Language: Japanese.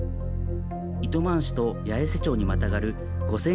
糸満市と八重瀬町にまたがる５０００